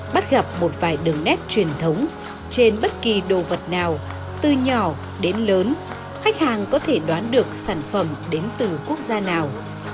bắt gặp một vài đường nét truyền thống trên bất kỳ đồ vật nào từ nhỏ đến lớn khách hàng có thể đoán được sản phẩm đến từ quốc gia nào